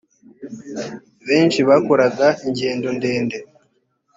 benshi bakoraga ingendo ndende